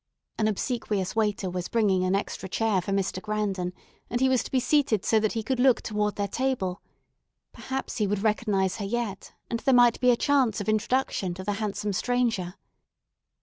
An obsequious waiter was bringing an extra chair for Mr. Grandon, and he was to be seated so that he could look toward their table. Perhaps he would recognize her yet, and there might be a chance of introduction to the handsome stranger.